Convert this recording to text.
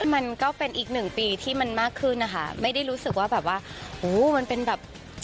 มันก็เป็นอีกหนึ่งปีที่มันมากขึ้นนะคะไม่ได้รู้สึกว่าแบบว่าโหมันเป็นแบบ